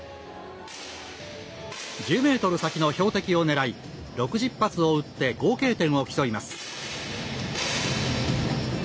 １０ｍ先の標的を狙い６０発を撃って合計点を競います。